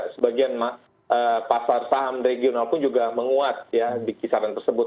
sebagian pasar saham regional pun juga menguat ya di kisaran tersebut